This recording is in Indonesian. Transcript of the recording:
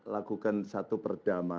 lakukan satu perhitungan